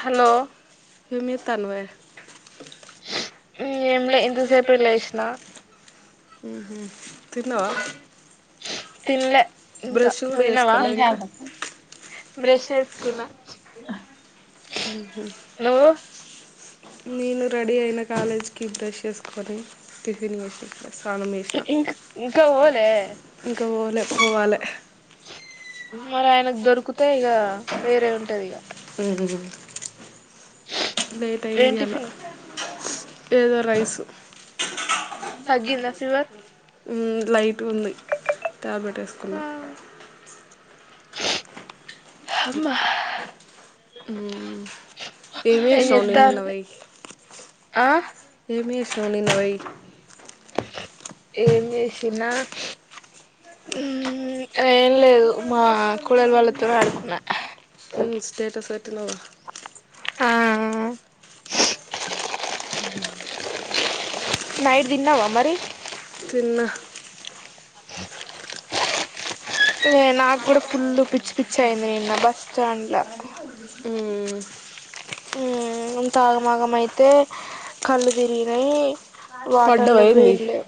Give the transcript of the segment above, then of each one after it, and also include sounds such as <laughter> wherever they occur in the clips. Hello ఏమిచేస్తున్నావే? ఏం లే ఇంతసేపే లేసినా తిన్నవా తినలే ఇంకా నువు తన్నావా చేసుకోలే ఇంకా బ్రష్ చేస్తున్నా నేను రెడీ అయినా కాలేజ్ కి బ్రష్ చేసుకొని టిఫిన్ చేసా ఇంకా ఇంకా పోలే పోవాల పోవాలి మరి ఆయనకు దొరికితే, ఇక వేరే ఉంటది. ఇక లేట్ అయింది ఏం ఇయ్యాల టిఫిన్ ఏదో రైసు తగ్గిందా ఫీవర్ లైట్గా ఉంది ట్యాబ్లెట్ వేసుకున్న. హమ్మ ఏం ఏంచేసినావు నిన్న చెత్తాంది పోయి ఆ శునిన్ై <unintelligible> ఏమి చేసినా ఏం లేదు మా కోడలు వాళ్ళతో ఆడుకున్న స్టేటస్ పెట్న్నావా ఆ <inaudible> నైట్ తిన్నావా మరి తిన్నా నాకు కూడా ఫుల్ పిచ్చి పిచ్చి అయింది నిన్న బస్టాండ్లో. హ్మ్ అంతా ఆగమాగమ అయితే కళ్ళు తిరిగినాయి వాటర్లువు పడ్డవైంది ఏం లేవు.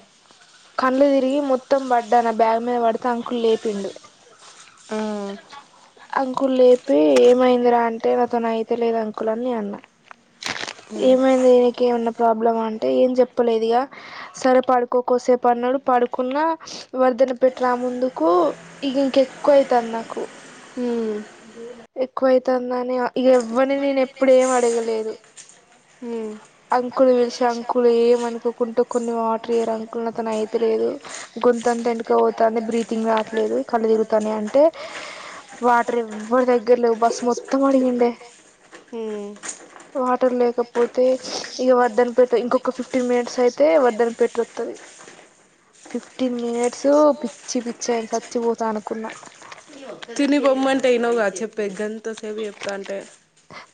కళ్డ్లు తిరిగి మొత్తం పడ్డా. నా బ్యాగ్ మీద పడితే అంకులు లేపిండు. ఆ అంకులు లేపి ఏమైందిరా అంటే, నాతో అయితా లేదు అంకుల్ అని అన్న కు <unintelligible> ఏమైంది నీకి ఏమైనా ప్రాబ్లం అంటే, ఏం చెప్పలేదు ఇగ సరే పడుకో కాసేపు పడుకున్నా, ఈమధ్యన పెట్ట్రా ముందుకు ఇక ఇంకెక్కువ అవుతుంది నాకు. హ్మ్ ఎక్కువైతాందని ఇక ఎవ్వరిని నేను ఎప్పుడు ఏం అడగలేదు. మ్ అంకుల్ని పిలిసి అంకులు ఏమనుకోకుంటే కొన్ని వాటర్ ఇవ్వరా అంకుల్ నాతోటి అయితాలేదు గొంతు గొంతు ఎండకు పోతుంది, బ్రీతింగ్ రాట్లేదు, కళ్ళు తిరుగుతాన్నాయి అంటే వాటర్ ఇవ్వలేదు. <unintelligible> వాటర్ లేకపోతే ఇక వర్దని పెట్ట ఇంకొక ఫిఫ్టీన్ మినిట్స్ అయితే వర్దన పెట్టస్తుంది. <inaudible> ఫిఫ్టీన్ మినిట్స్ పిచ్చి పిచ్చ అయి చచ్చిపోతా అనుకున్నా. తిని పొమ్మంటే ఇనవ్వుగా చెప్తే ఎంత సేపు చెప్తాంటే.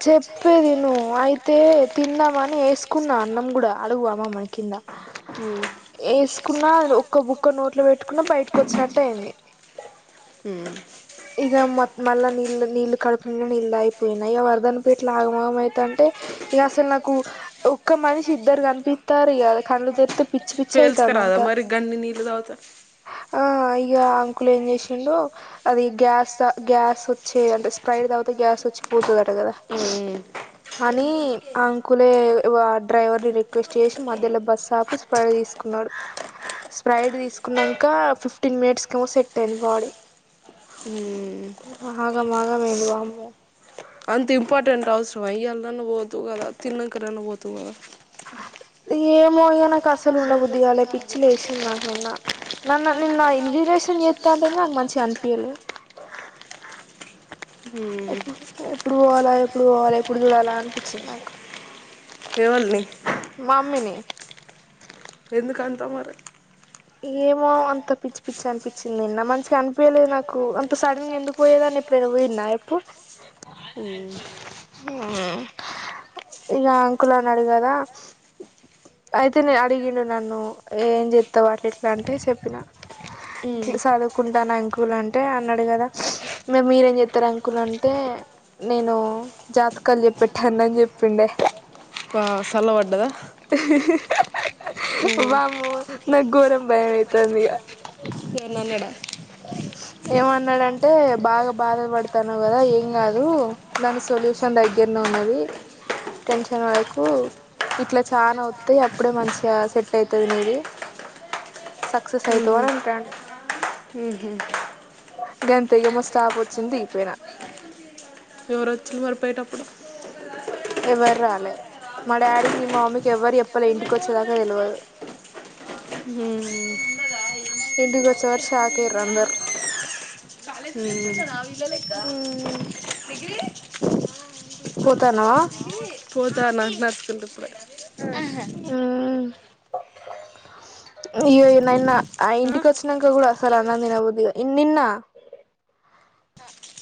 చెప్పేది విను అయితే తిందామని వేసుకున్నా అన్నం కూడా అడుగు అమ్మ మనకిింద హు వేసుకున్నా ఒక్క బుక్క నోట్లో పెట్టుకున్న బయటకు వచ్చినట్టు అయింది. మ్ ఇక మ మళ్ళీ నీళ్ళ నీళ్లు కడుపు నిండా తాగి పోయినా, ఇక వర్ధన్ పేట్లో ఆగమ గం అయితుంటే. ఇక అసలు నాకు ఒక్క మనిషి ఇద్దరు కనిపిస్తారు ఇక తే పిచ్చి పిచ్చ అయితానా అంత పేల్చుకరాదా మరి గన్ని నీళ్ళు తాగుతా ఆ ఇక అంకులు ఏం చేసిండో స్ప్రైట్ తాగితే గ్యాస్ వచ్చి పోతదట కదా ఉమ్మ్ అని ఆ అంకులే డ్రైవర్ ని రిక్వెస్ట్ చేసి మధ్యలో బస్సు ఆపిసి ప తీసుకు న్నాడు స్ప్రైట్ తీసుకున్నాక ఫిఫ్టీన్ మినిట్స్ క ఏమో సెట్ అయింది బాడీ హ్మ్ ఆగం ఆగం వామ్మో అంత ఇంపార్టెంట్ అవసరం అయ్యళ అన్న పోతు కదా తిన్నాకరన్న పోతు కదా ఏమో ఇగా నాకు అసలు ఉన్న బుద్దిిగా పిచ్చిలు వసింది నాన్నన్న నన్న ఇన్విటేషన్ చేస్తాంటే నా మంచిగా అనిపించలే <inaudible> హ్మ్ ఎడు ఎప్పుడు పోవాల ఎప్పుడు పోవాలా ఎప్పుడు చూడాలా అనిపించింది నాకు కేవల్ని మమ్మని ఎందుకంతా మరి ఏమో అంత పిచ్చి పిచ్చి అనిపించింది నిన్న మంచిగా అనిపయలేదు నాకు అంత సడన్ గా ఎందుకు పోయేదని పరువు నాయపు ఆ హ ఇక అంకుల్ అడిగదా అయితే నే అడిగిండు నన్ను ఏం చెతావు అట్లా ఇట్లా అంటే చెప్పిన హ్మ్ చదువుకుంటాను అంకుల్ అంటే అన్నాడు కదా ఇరి మీరేం చెతారు అంకుల్ అంటే నేను జాతకాలు చెప్పెట్టా అన్నని చెప్పిండే ఇ సల వాడ్ంటదా బామ ఎవరిని నాకు ఘోరం భయం అవుతుంది ఇక ఏన్నన్నడ ఏమన్నాడంటే బాగా బాధపడుతాన్నావు కదా ఏం కాదు దాని సొల్యూషన్ దగ్గర నువ్ అన్నది టెన్షన్ పడకు ఈ ఇట్లా చాలా వస్తాయి అప్పుడే మంచిగా సెట్ అవుతుంది నీది సక్సెస్ ఉహు. అవుతవార అంటాడు గంతగమ్మో స్టాప్ వచ్చింది దిగిపోయినా ఎవరొచ్చలు మరిపోయేటప్పుడు ఎవ్వరు రాలే మా డాడీకి నీ మా మమ్మీకి ఎవ్వరు ఎప్పలే ఇంటికి వచ్చేదాకా తెలియదు హ ఎంటి కొచ్చవర్షాఖరందర్ న ఇల్లేద పోతానా పోతా నాన్నకుల్ప్ ఆ <inaudible> అయ్య నన్న ఆ? ఇంటికి వచ్చినాక కూడా అసలు అన్నందిినబద్దు ఇ నిన్న అ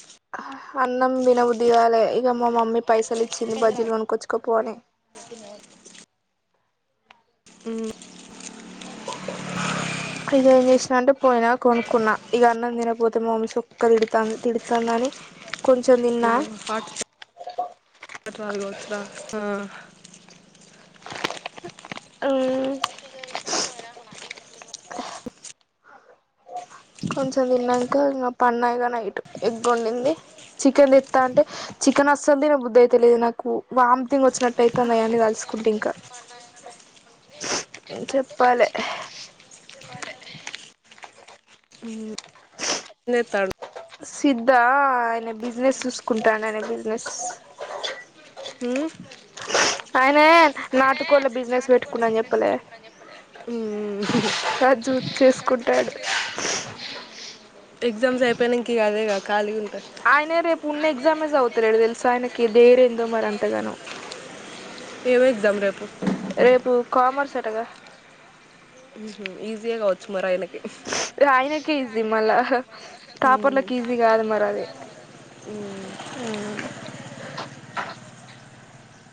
<inaudible> అన్నం బినబ దగాలే ఇక మా మమ్మీ పైసలు ఇచ్చింది బడ్జెట్ లోని కూచ్చుకోపోని <inaudible> ఉమా <inaudible> ఇక ఏం చేసినాంటే పోయినా కొనుక్కున్నా ఇక అన్నం తినకపోతే మామస్ ఒక్క తిడుతాంది తిడుతాందిని హట్లుగాతురా ఆ అవు <inaudible> కొంచం దీన్నాను. ఇంకా పన్నా యిగ నైటు, ఎగ్గోండింది, చికెన్ తెత్తా అంటే, చికెన్ అస్సలు దినబుద్ధ అ. అయితలేదు నాకు, వామ్థింతింగ్ వొచ్చినట్టుయితనంది, ఆయన్నీ దలుసుకుంటే ఇంక. చెప్పాలే <inaudible> లేతాడు. సిద్ధా, ఆయన బిజినెస్ సుసుకుంటాండు, ఆయన బిజినెస్. ఉమ్? ఆయనే, నాటుకోళ్ళ బిజినెస్ పెట్టుకున్నా చెప్పలే. ఉమ్. రాజు జూసి చేసుకుంటాడు. ఎగ్జామ్స్ అయిపోయినా ఇంక, అదే గద ఖాలీగున్. ఆయినే రేపు పుణ్యస్. ఎగ్జాజమే జావుటలేదు, దెల్సా ఆయనకి డేర్ ఏందో, మరి అంతాగానం. ఎం ఎగ్జామ్ రేపు. రేపు కామర్స్ అటగాద. ఈజీయేగావచ్చు మారిఆయనకీ. ఆయనకే ఈజీ మళ్ల. ఉమ్, అది ఉమ్.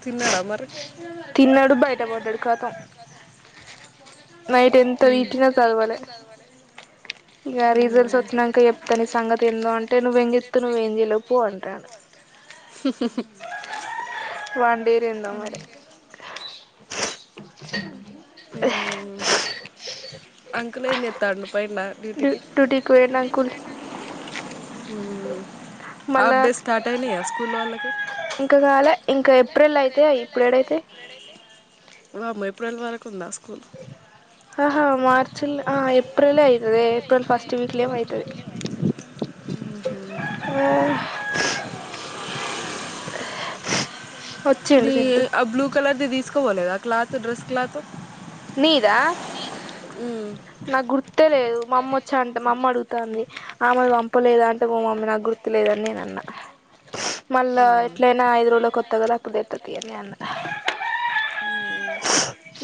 తిన్నాడా మరీ. తిన్నాడు, బయట వడ్డడు కతం. నైట్ ఎంతతిట్టిన సదువులే. ఇగ రీజల్ట్స్ ఉమ్. ఓచ్చినంక చెప్తా నీ సంగతి ఏందో అంటే, నువ్వు ఎం జెతావ్, నువ్వు ఎం జేయ్యలేవు, పొ అంటడు. వండీరిందా మరి. అంకల్ ఎం జెతండు, పోయిండ. డు డూటికీ వోయిండు అంకుల్. ఉమ్. మళ్ళా, వాళ్ళకి ఇంకా గాలే, ఇంకా ఏప్రిల్ అయితే అయి. వామ్మో, ఏప్రిల్ వరకు ఉందా. స్కూల్ ఆహా మార్చిల్ ఆ ఏప్. ఏప్రిల్ లే అయితదే, ఏప్రిల్ ఫస్ట్ వీక్లే ఏమో, అయితది. ఆ నీ ఆ బ్లూ కలర్ది దిసకవొలేదా, క్లాత్, డ్రెస్ క్లాతు. నీదా. నాకు గుర్తే లేదు, మా మమ్మో చ్చి, అంటే మా మామ్మ అడుగుతంది, ఆమెది పంపలేదా అంటే, మా మమ్మీ నాకు గుర్తులేదు. న్నేనన్న. అ మళ్ళ ఎట్లాట్లైనా, ఐదు రోజుల కొత్త గదా, అప్పుడు తేత్త తియ్, అని నేను అన్న.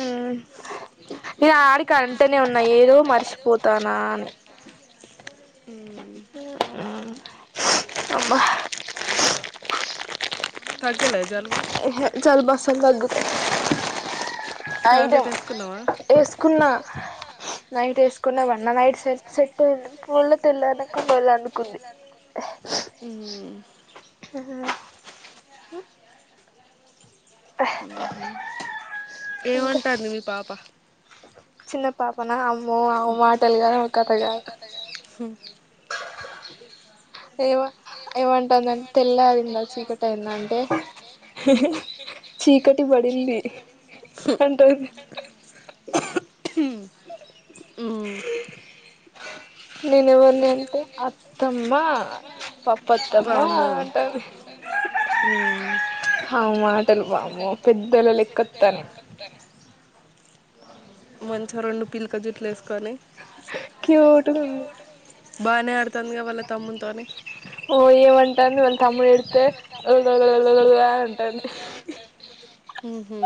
ఉమ్ ఇగ ఆడి కంటే. ఇక అంటనే ఉన్నా, ఏదో, మర్చిపోతాన్న ఉమ్. అబ్బా. తగ్గలే జలుబు ఏహె జాలుబస్సల్ దగ్గు. టాబ్లెట్ ఐటమ్ వేసుకున్నావా ఏసుకున్న. నైట్ ఏసుకున్న, వన్నా, నైట్ సె సెట్ అయింది, ఫుల్ తెల్లరి నంక, మళ్ల అందుకుంది. అ ఏమంటంది, మీ పాప. చిన్న పాపన, ఆమ్మో అమ మాటలు గాదు, అమ కథ గాదు. స ఏవొ. ఏమంటందంటే, తెల్లారిందా, చీకటి అయింద, అంటే చీకటి పడి. హ హ్మ్మ్ నేను ఎవర్నీ అంటే అత్తమ్మ పప్ప అత్తమ్మ వామ్మో అంటది మ్మ్. అ మాటలు వామ్మో పెద్దోళ్ల లెక్క వస్తున్నాయి మంచిగా రెండు పిలక జుట్లు వే క్యూట్గ ఉంది బానే ఆడుతుందిగా వాళ్ళ తమ్మునితోనే వల్ల తమ్ముడు ఏడిస్తే ఉళ్దళ్ అంటంది ఉహు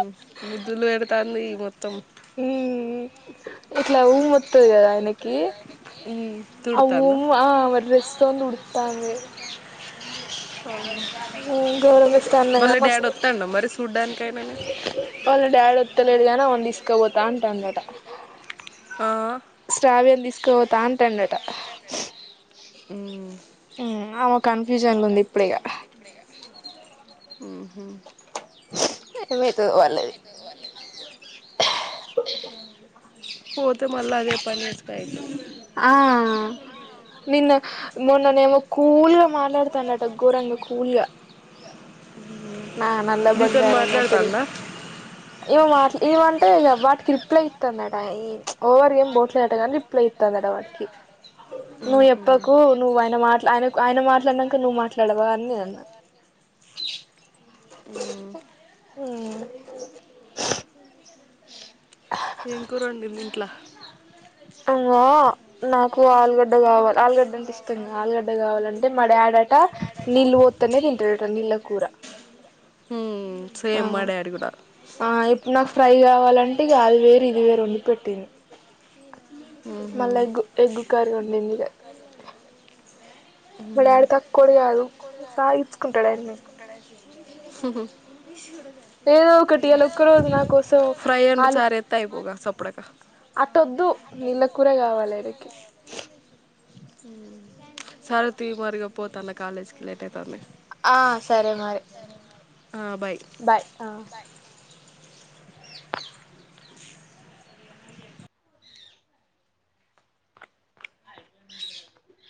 ముద్దులు పెడతాంది మొత్తం మ్మ్ ఇట్లా ఊ మత్తది కదా హ్మ్మ్ అము ఆ మరి రిస్క్ ను ఉడుకుతుంది ఆ అవును గౌరమ్మ ఇస్తాన్న వాళ్ళ డాడీ మస్త్ వత్తాండ మరి చూడ్డానికైనానే వాళ్ళ డాడ్ వత్తలేదు కానీ ఆమె ను తీసుకుపోతా అంటున్నాడు అంట ఆ అంటాండట ఆమె కన్ఫ్యూజన్లు ఉంది ఇప్పుడిగా ఉహు మీతు వాళ్ళది పోతే మల్ల అదే పని చేసుడు అవుతుంది ఆ నిన్ను ఘోరంగా కూల్గా <unintelligible> నల్ల నీతో బంగారం మా తెలి మాట్లాడుతుందా ఇవ మా ఇవంత వాటికి రిప్లై ఇస్తుందడాట ఓవర్ గేమ్ బోట్లేట కానీ రిప్లై ఇస్తుందడా వాటికి నువ్వు ఉహు. చేప్పకు నువ్వు ఆయన మాట్ ఆయన ఆయన మాట్లాడినాక నువ్వు మాట్లాడవా అని నేను అన్న అ హ్మ్మ్ ఏం కూర వండీరు ఇంట్ల అమ్మో నాకు ఆలుగడ్డ ఆలుగడ్డ అంటే ఇష్ట ఆలుగడ కావాలంటే మ డాడ్ అంట నీళ్ళు పోతలేదు అన్నారు కూర హ్మ్మ్ సేమ్ మ డాడ్ కూడ ఆ ఇప్పుడు నాకు ఫ్రై కావాలంటే ఇక అది వేరు ఇది వేరు వండి పెట్టింది ఊహు మళ్ళా ఎగ్గు ఎగ్గు కర్రీ వండింది ఇక మా హ్మ్మ్ డాడీ తక్కువోడు కాదు సాగిచ్చుకుంటాడు ఆయన్ని హహో ఏదో ఒకటి ఇయాల ఒక్క రోజు నా కోసం ఫ్రై అండి ఆలు చారి ఎత్త అయిపోగా చప్పుడక అట్టొద్దు నీళ్ళ కూూర కావాలి ఆయనకి సరతి మరిగా పోతాన్న కాలేజ్ కి లేట్ అయితాంది ఆ సరే మరి బాయ్ ఆ అ